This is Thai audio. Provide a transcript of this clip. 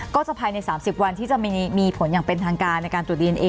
ก็จะภายใน๓๐วันที่จะมีผลอย่างเป็นทางการในการตรวจดีเอนเอ